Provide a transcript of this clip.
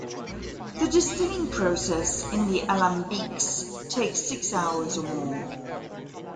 The distilling process in the "alambiques" takes six hours or more.